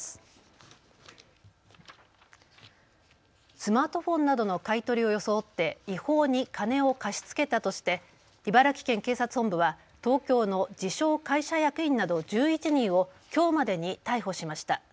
スマートフォンなどの買い取りを装って違法に金を貸し付けたとして茨城県警察本部は東京の自称、会社役員など１１人をきょうまでに逮捕しました。